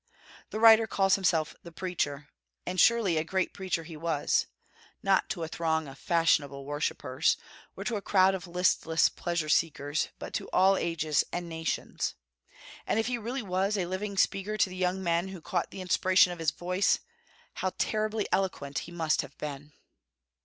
The writer calls himself "the preacher," and surely a great preacher he was, not to a throng of "fashionable worshippers" or a crowd of listless pleasure seekers, but to all ages and nations. And if he really was a living speaker to the young men who caught the inspiration of his voice, how terribly eloquent he must have been!